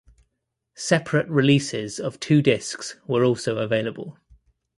Separate releases of two discs were also available.